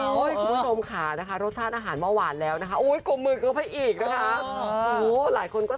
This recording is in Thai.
คุณผู้ชมค่ะนะคะรสชาติอาหารเมื่อวานแล้วนะคะโอ้ยกลมมือเข้าไปอีกนะคะ